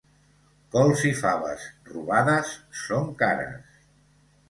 Cols i faves, robades, són cares.